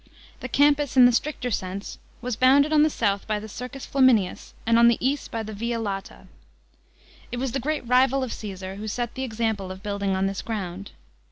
The Campus in the stricter sense was bounded on the 27 B.c. H A.D. THE PANTHEON. 145 south by the Circus Plaminius and on the east by the Via Lata. It was the great rival of Caesar who set the example of building on this ground.